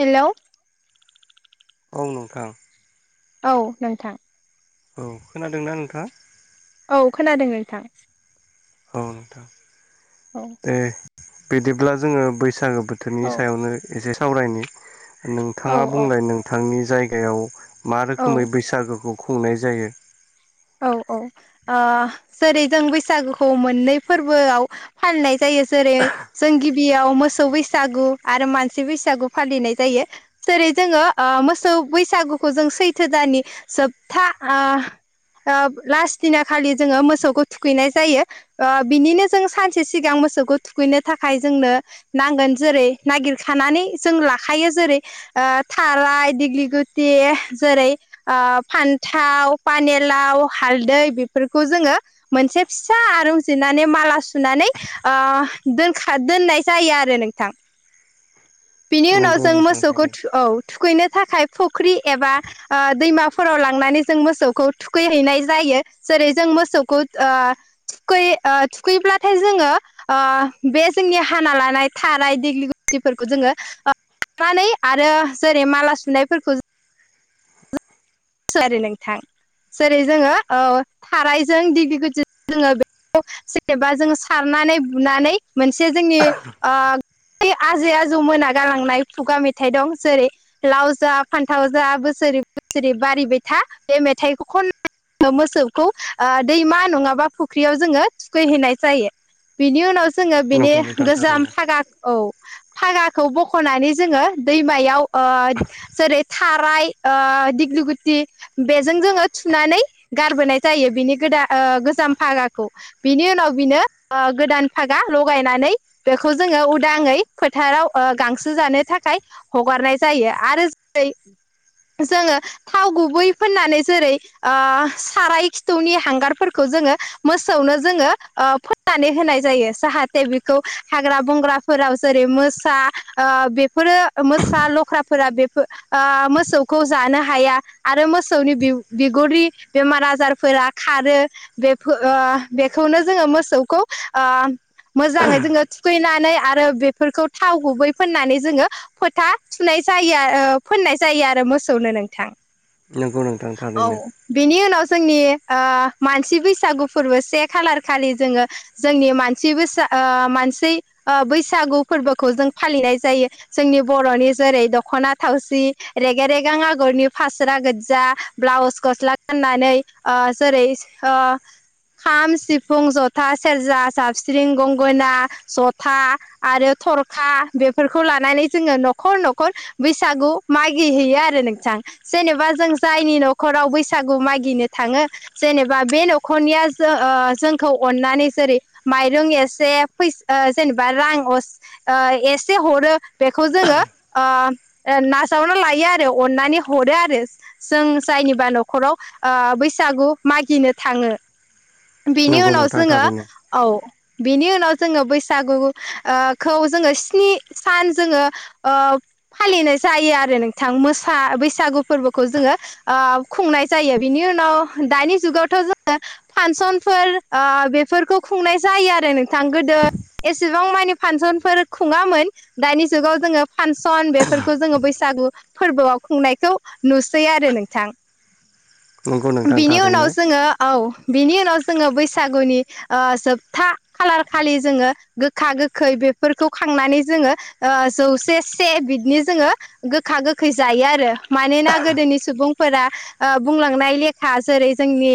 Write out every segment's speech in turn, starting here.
Hello. औ नोंथां। औ नोंथां। औ खोनादोंना नोंथाङा? औ खोनादों नोंथां। औ नोंथां औ ए बिदिब्ला जोङो बैसागो बोथोरनि औ सायावनो एसे सावरायनि औ नोंथाङा औ बुंलाय नोंथांनि जायगायाव मा औ रोखोमै बैसागोखौ खुंनाय जायो। औ औ ओ जेरै जों बैसागुखौ मोननै फोरबोआव फालिनाय जायो जेरै जों गिबियाव मोसौ बैसागु आरो मानसि बैसागु फालिनाय जायो जेरै जोङो ओ मोसौ बैसागुखौ जों सैथो दाननि जोबथा ओ ओ लास्ट दिना खालि जोङो मोसौखौ थुखैनाय जायो ओ बिनिनो जों सानसे सिगां मोसौ खौ थुखैनो थाखाय जोंनो नांगोन जेरै नागिरखानानै जों लाखायो जेरै ओ ओ थालाय दिगलि गुति‌ जेरै ओ फान्थाव पाने लाव लाव हालदै बेफोरखौ जोङो मोनसे फिसा आरुंजिरनानै माला सुनानै ओ दोनखा दोननाय जायो आरो नोंथां। बिनि उनाव नंगौ जों नोंथां मोसौखौ थारैनो थु औ। थुखैनो थाखाय फुख्रि एबा ओ दैमाफोराव लांनानै जों मोसौखौ थुखैहैनाय जायो यो जेरै जों मोसौखौ ओ थुखै ओ थुखैब्लाथाय जोङो ओ बे जोंनि हाना लानाय थाराय देग्लि गुतिफोरखौ जोङो ओ [inaudible] नानै आरो जेरै माला सुनायफोरखौ जो [inaudible] नोंथां जेरै जोङो औ थारायजों दिगलि गुथि जों जोङो बे खौ जेनेबा जोंङो सारनानै बुनानै मोनसे जोंनि ओ बै आजै आजौ मोना गालांनाय खुगा मेथाइ दं जेरै लाव जा फान्थाव जा बोसोर बोसोरै बसोरै बारिबाय था बे मेथाइखौ खन मोसौखौ ओ दैमा नङाबा फुख्रियाव जोङो थुखैहैनाय जायो। बिनि उनाव जोङो बेनि नंगौ नोंथां गोजाम थारैनो फागा औ फागाखौ बख'नानै जोङो दैमायाव ओ जेरै थाराय ओ दिग्लि गु ति बेजों जोङो थुनानै गारबोनाय जायो बिनि गोदा ओ गोजाम फागाखौ। बिनि उनाव बिनो गोदान फागा लगायनानै बेखौ जोङो उदाङै फोथाराव गांसो जानो थाखाय हगारनाय जायो आरो जेरै जोङो थाव गुबै फोननानै जेरै साराय खिथौनि हांगारफोरखौ जोङो मोसौ जाय जायो जे बे हाग्रा बंग्राफोराव जेरै मो मोसा ओ बेफोरो मोसा लख्राफोरा बेफो ओ मोसौखौ जानो हाया आरो मोसौनि बिगुरनि बेमार आजारफोरा खारो बेफो आ बेखौनो जोङो मोसौखौ आम मोजाङै जोङो थुखैनानै आरो बेफोरखौ थाव गुबै फोननानै जोङो फोथा थुनाय जायो ओ फोननाय जायो आरो मोसौनो नोंथां। नंगौ नोंथां औ थारैनो बेनि उनाव जोंनि ओ मानसि बैसागु फोरबो से खालार खालि जोंङो जोंनि मानसि बैसा आ मानसि आ बैसागु फोरबोखौ जों फालिनाय जायो। जोंनि बर'नि जेरै द खना थावसि रेग रेगां आगरनि फास स्रा गोजा ब्लाउस गस्ला गाननानै ओ जेरै ओ खाम सिफुं जथा सेरजा साबस्रिं गंगना जथा आरो खरखा बेफोरखौ लानानै जोंङो न'खर न'खर बैसागु मागि हैैयो आरो नोंथां। जेनेबा जों जायनि न'खराव बैसागु मागिनो थांङो जेनेबा बे न'खरनिया सो ओ जोंखौ अननानै जेरै माइरं एसे फैसा जेनेबा रां अ ओ एसे हरो बेखौ जोंङो ओ नाजावना लायो आरो अननानै हरो आरो जों जायनिबा न'खराव ओ बैसागु मागिनो थांङो। बिनि नंगौ उनाव नोंथां जोंङो थारैनो औ। बिनि उनाव जोंङो बैसागु ओ खौ जोंङो स्नि सान जोंङो ओ फालिनाय जायो आरो नोंथां मोसा बैसागु फोरबोखौ जोंङो ओ खुंनाय जायो बेनि इउनाव दानि जुगावथाव जों फांसनफोर बेफोरखौ खुंनाय जायो आरो नोंथां गोदो एसेबां माने फांसनफोर खुङामोन दानि जुगाव जोङो फांसन बेफोरखौ जोङो बैसाग बसागु फोरबोआव खुंनायखौ नुसै आरो नोंथां नंगौ नोंथां बिनि उनाव थारैनो जोङो औ बिनि उनाव जोङो बैसागुनि जोबथा खालार खालि जोङो गोखा गोखै बेफोरखौ खांनानै जोङो जौसे से बिदिनि जोङो गोखा गोखै जायो आरो मानोना गोदोनि सुबुंफोरा बुंलांनाय लेखा ा जेरै जोंनि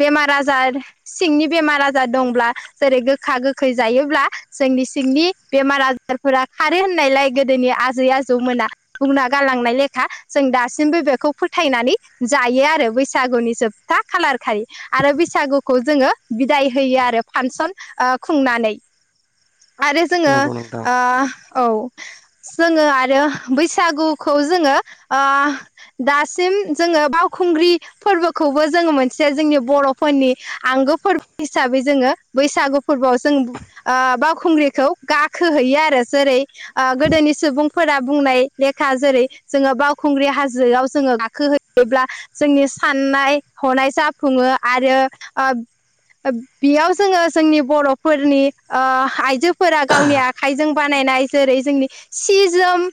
बेमार आजार सिंनि बेमार आजार दंब्ला जेरै गोखा गोखै जायोब्ला जोंनि सिंनि बेमार आजारफोरा खारो होननायलाय गोदोनि आजै जौ मोना थना गालांनाय लेखा जों दासिमबो बेखौ फोथायनानै जायो आरो बैसागुनि जोबथा खालार खारि आरो बैसागुखौ जोङो बिदाय होयो आरो फांसन खुंनानै आरो जोङो नंगौ नोंथां औ जोङो आरो बैसागुखौ जोङो दासिम जोङो बावखुंग्रि फोरबोखौबो जोङो मोनसे जोंनि बर'फोरनि आंगो फोरबो हिसाबै जोङो बैसागु फोर जों बावखुंग्रिखौ गाखोहैयो आरो जेरै गोदोनि सुबुंफोर फोर बुंनाय लेखा जेरै जोङो बावखुंग्रि हाजोआव जोङो गाखो होयोब्ला जोंनि साननाय हनाय जाफुङो आरो बेयाव जोङो जोंनि बर'फोरनि आइजोफोरा गावनि आखाइजों बानाय जै जों सि जोम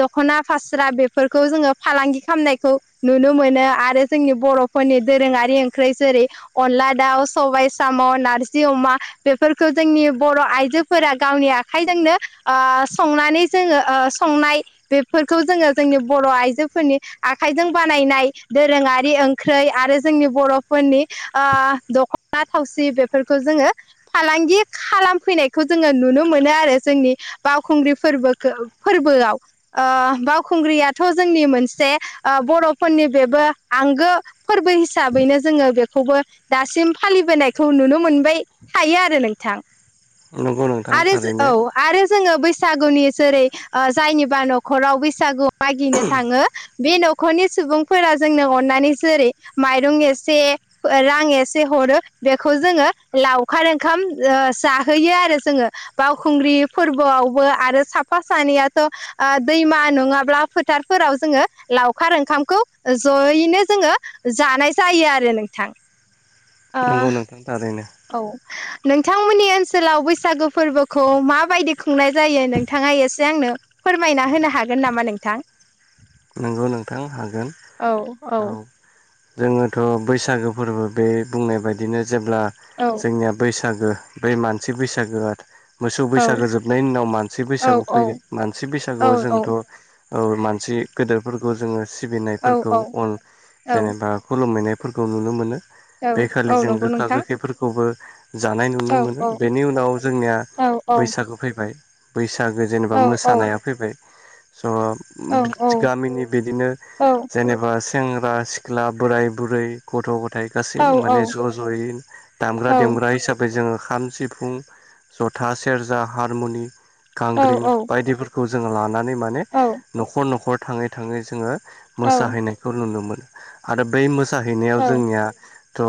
दखना फास्रा बेफोरखौ जों फालांगि खालाम खालामनायखौ नुनो मोनो आरो जोंनि बर'फोरनि दोरोङारि ओंख्रि जेरै अनला दाउ सबाय साम' ना नारजि अमा बेफोरखौ जोंनि बर' आइजोफोरा गावनि आखाइजोंनो ओ संनानै नै जोंङो संनाय बेफोरखौ जोंङो जोंनि बर' आइजोफोरनि आखाइजों बानायनाय दोरोंङारि ओंख्रै आरो जोंनि बर'फोरनि ओ दख'ना थावसि बेफोरखौ जोंङो फालांगि खालामफैनायखौ जोंङो नुनो मोनो आरो जोंनि बावखुंग्रि फोरबो फोरखौ फोरबोआव ओ बावखुंग्रियाथ' जोंनि मोनसे आ बर'फोरनि बेबो आंगो फोरबो हिसाबैनो जोङो बेखौबो दासिम फालिबोनायखौ नुनो मोन बाय थायो आरो नोंथां नंगौ नोंथां आरो जो थारैनो औ आरो जोङो बैसागुनि जेरै आ जायनिबा न'खराव बैसागु मागिनो थाङो बे नखरनि सुबुं फोरा जोंनो अननानै जेरै माइरं एसे रां एसे हरो बेखौ जोङो लावखार ओंखाम जाहोयो आरो जोङो बावखुंग्रि फोरबोआवबो आरो साफा सानैयाथ' आ दैमा नङाब्ला फोथारफोराव जोङो लावखार ओंखामखौ जयैनो जोङो जानाय जायो आरो नोंथां ओ नंगौ नोंथां थारैनो औ नोंथांमोननि ओनसोलाव बैसागु फोरबोखौ माबायदि खुंनाय जायो नोंथाङा एसे आंनो फोरमायना होनो हागोन नामा नोंथां नंगौ नोंथां हागोन औ जोङोथ' बैसागो फोरबो बे बुंनाय बायदिनो जेब्ला औ जोंनिया बैसाग सागो बे मानसि बैसागो आरो मोसौ औ बैसागो जोबनायनि उनाव मानसि औ बैसागु औ फैगोन मानसि औ बैसागुआव जोंथ' औ मानसि गेदेरफोरखौ जोङो औ सिबिनायफोरखौ अन औ जेनेबा खुलुमहैनाय फोरखौ नुनो मोनो औ बेखालि औ जों नंगौ गोखा नोंथां गोखैफोरखौबो जानाय नुनो औ मोनो औ बेनि उनाव जोंनिया औ औ बैसागु फैबाय बैस सागो जेनेबा औ मोसानाया फैबाय औ स' गामिनि बिदिनो औ जेनेबा सेंग्रा सि ख्ला बोराइ बुरै गथ' ग थाय औ गासैबो माने ज' ज'यै दामग्रा देग्रा हिसाबै जोङो खाम सिफुं जथा सेरजा हारमुनि गांग्रिं बायदिफोर खौ जोङो लानानै माने न'खर न'खर थाङै थाङै जोङो मोसाहैनायखौ नुनो मोन आरो बै मोसाहैनायाव जोंनियाथ'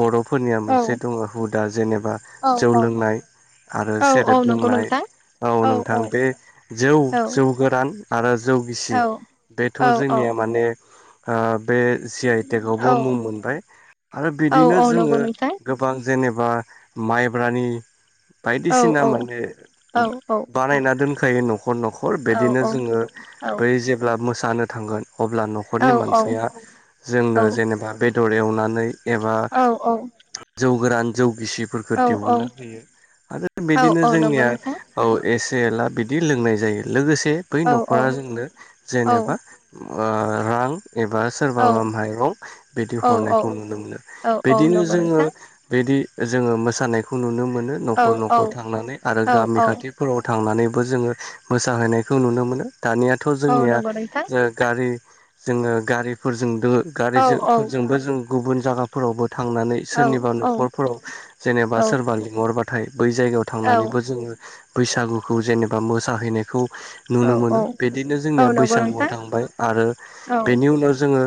बर' फोरनिया मोनसे दङ हुदा जेनेबा औ जौ लोंनाय आरो औ सेरेब औ नंगौ लोंनाय नोंथां औ नोंथां बे जौ औ जौ गोरान आरो जौगिसि औ बेथ' जोंनिया माने आ बे जि औ आइटेकावबो मुं मोनबाय आरो औ बिदिनो औ नंगौ जोङो नोंथां गोबां जेनेबा माइब्रानि औ बायदिसिना औ माने बानायना दोनखायो न' न'खर न'खर बिदिनो जोङो बै जेब्ला मोसानो थांगोन अब्ला न'खरनि मानसिया औ-औ-औ-औ-औ-औ-औ-औ-औ-औ-औ-औ जोंनो जेनेबा बेदर एवनानै एबा जौ गोरान जौ गिसिफोरखौ दिहुनना होयो आरो बिदिनो नंगौ जोंनिया नोंथां औ एस एला बिदि लोंनाय जायो लोगोसे बै न'खरा जोंनो जेनेबा रां एबा सोरबाबा औ-औ-औ-औ-औ-औ माइरं बिदि हरनायखौ नुनो मोनो बिदिनो नंगौ जोङो नोंथां बिदि जोङो मोसानायखौ नुनो मोनो न'खर न'खर थांनानै आरो गामि औ-औ-औ-औ-औ खाथिफोराव थां थांनानैबो जोङो मोसाहैनायखौ नुनो मोनो दानियाथ' नंगौ नोंथां औ-औ-औ-औ-औ-औ-औ-औ नंगौ नोंथां औ-औ-औ-औ-औ-औ-औ जोंनिया नंगौ नोंथां जा गारि जोङो गारिफोरजों दङ गारि फोरजोंबो जों गुबुन जायगाफोरावबो थांनानै सोरनिबा न'खरफोराव जेनेबा औ-औ-औ-औ सोरबा लिंहरबाथाय बै जायगायाव थांनानैबो जोङो बैसागुखौ जेनेबा मोसाहैनायखौ नुनो मोनो बिदिनो जोंनिया नंगौ बैसागुआ नोंथां थांबाय आरो बेनि उनाव जोङो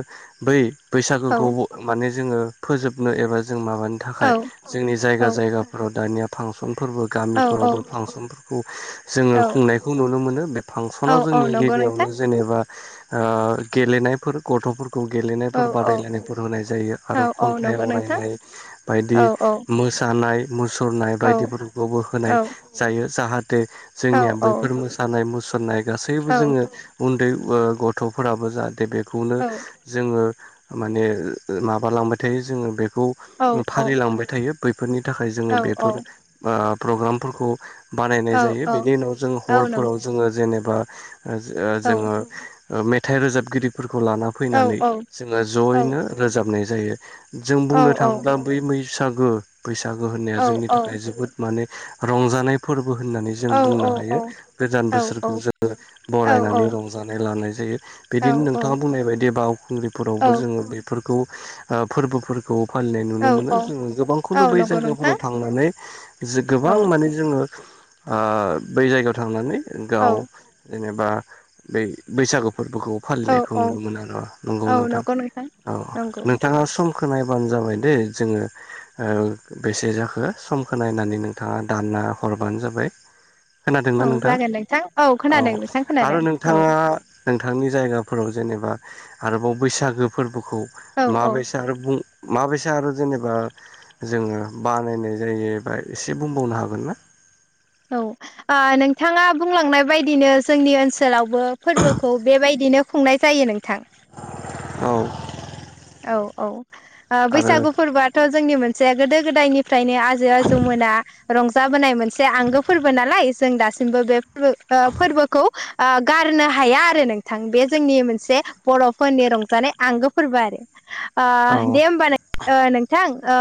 बै बैसागुखौ माने जोङो फोजोबनो एबा जों माबानि थाखाय जोंनि जायगा जायगाफोराव दानिया फांसनफोरबो गामिफोरावबो फांसन जोङो खुंनायखौ नुनो मोनो बे फांसनाव जोंनि गिबियावनो जेनेबा ओ गेलेनायफोर गथ'फोर खौ गेलेनायफोर बादायलायनाय होनाय जायो आरो खन्थाइ आवरायनाय बायदि मो सानाय मुसुरनाय बायदिफोरखौबो होनाय जायो जाहाथ जाथे जोंनिया बैफोर मोसानाय मुसुरनाय गासैबो जोङो औ-औ-औ-औ-औ-औ-औ-औ-औ-औ उन्दै गथ'फोराबो जाहाथे बेखौनो जोङो माने माबालांबाय थायो जोङो बेखौ फारिलिलांबाय थायो बेफोरनि थाखाय जोङो बेफोर प्रग्रामफोरखौ बानायनाय औ जायो औ बेनि उनाव जों औ नं हरफोराव जोङो जेनेबा औ जोङो मेथाइ रोजाबगिरिफोरखौ लाना औ फैनानै औ जोङो औ जयैनो रोजाबनाय जायो। जों औ बुंनो थाङोब्ला बै बैसागो बैसागो होननाया औ जोंनि औ थाखाय जोबोद माने रंजानायफोर बो होननानै जों औ बुंनो हायो। गोदान औ बोसोरखौ जोङ बरायनानै रंजानाय लानाय जायो। बिदिनो नोंथाङा बुंनाय बायदि बावखुंग्रिफोरावबो जोङो बेफोरखौ फोरबोफोरखौ फालिनाय नुनो औ औ मोनो औ जोङो औ गोबांखौनो बै नंगौ नोंथां जायगाफोराव थांनानै औ गोबां माने जोङो बै जायगायाव थांनानै औ गाव जेनेबा बै बैसागु फोरबोखौ औ औ नु नंगौ औ नोंथां नंगौ औ नंगौ नोंथाङा खोननायबानो जाबाय दै जोङो बेसे जाखो समखौ नायनानै नोंथाङा दा हरबानो जाबाय। औ खोनादोंना नोंथाङ? जागोन नोंथां औ खोनादों नोंथां आरो खोनादों औ नोंथाङा नोंथांनि जायगा जेनेबा आरोबाव बैसागो फोरबोखौ औ औ माबसे आरो बुं माबायसा आरो जेनेबा जोङो बानायनाय जायोबा एसे बुंबावनो हागोन ना? [inaudible] औ नोंथाङा बुंलांनाय बायदिनो जोंनि ओनसोलावबो फोरबोखौ बेबाय दिनो खुंनाय जायो नोंथां। औ। औ औ आरो बैसागु फोरबोआथ' जोंनि मोनसे गोदो गोदायनि फ्रायनो आजै आजौमोना रंज बोनाय मोनसे आंगो फोरबो नालाय जों दासिमबो बे ओ फोरबोखौ गारनो हाया आरो नोंथां बे जोंनि मोनसे बर'फोरनि रंजानाय आंगो फोरबो आरो। अ औ दे होमबा ओ नोंथां ओ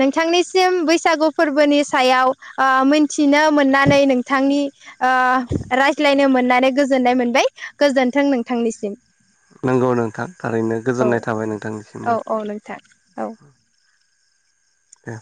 नोंथांनिसिम बैसागु फोरबोनि सायाव ओ मिथि नो मोननानै नोंथांनि राय्लनो मोननानै गोजोननाय मोनबाय गोजोन्थों। नोंथांनिसिम। नांगौ नोंथां थारैनो औ गोजोननाय थाबाय औ नोंथांनिसिमबो। औ नोंथां औ। ए।